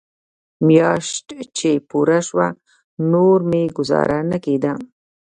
مياشت چې پوره سوه نور مې گوزاره نه کېده.